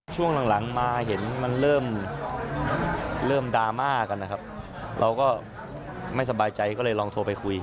ช่วงหลังมาเห็นมันเริ่มดราม่ากันนะครับเราก็ไม่สบายใจก็เลยลองโทรไปคุย